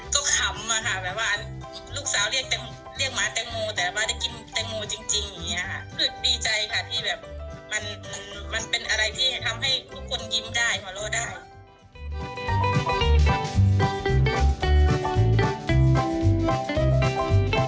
ก็ขำว่าค่ะแบบว่าลูกสาวเรียกแตงเรียกหมาแตงโมแต่ละบาทได้กินแตงโมจริงจริงอย่างงี้ค่ะ